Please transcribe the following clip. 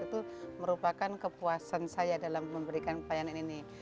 itu merupakan kepuasan saya dalam memberikan pelayanan ini